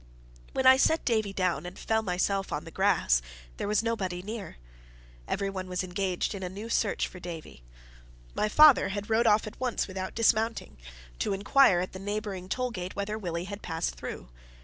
When I set Davie down, and fell myself on the grass, there was nobody near. Everyone was engaged in a new search for Davie. My father had rode off at once without dismounting, to inquire at the neighbouring toll gate whether Willie had passed through.